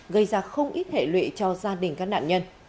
gây ra không ít hệ lụy cho gia đình các nạn nhân